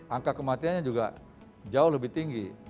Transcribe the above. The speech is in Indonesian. angka kematiannya juga jauh lebih tinggi